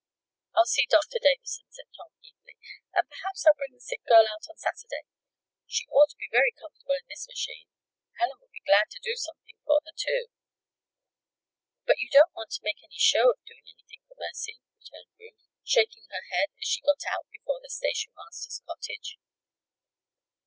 "I'll see Doctor Davison," said Tom, eagerly; "and perhaps I'll bring the sick girl out on Saturday. She ought to be very comfortable in this machine. Helen would be glad to do something for her, too." "But you don't want to make any show of doing anything for Mercy," returned Ruth, shaking her head as she got out before the station master's cottage.